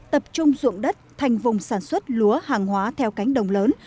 tập trung dụng đất thành vùng sản xuất lúa hàng hóa theo cánh đồng lớn